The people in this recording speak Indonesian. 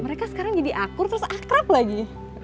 mereka sekarang jadi akur terus akrab lagi